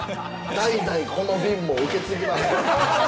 代々この瓶も受け継ぎます。